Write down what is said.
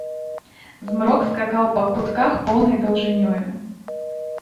Змрок скакаў па кутках поўнай даўжынёю.